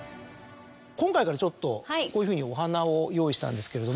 今回からこういうふうにお花を用意したんですけれども。